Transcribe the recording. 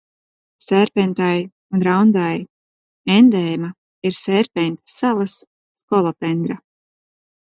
Sērpentai un Raundai endēma ir Sērpentas salas skolopendra.